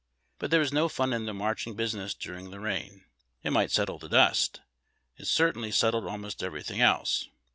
But there was no fun in the marching business during the rain. It might settle the dust. It certainl} settled about everything else.